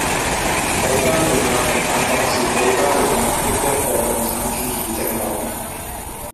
保加利亚共产党是保加利亚的一个共产主义政党。